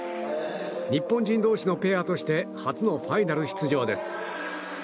日本人同士のペアとして初のファイナル出場です。